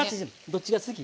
どっちが好き？